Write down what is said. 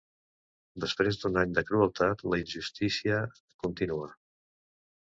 Després d’un any de crueltat, la injustícia continua.